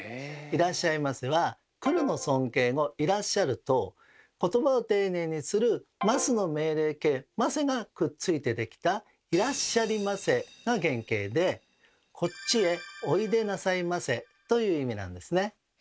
「いらっしゃいませ」は「来る」の尊敬語「いらっしゃる」と言葉を丁寧にする「ます」の命令形「ませ」がくっついてできた「いらっしゃりませ」が原形で「こっちへおいでなさいませ」という意味なんですね。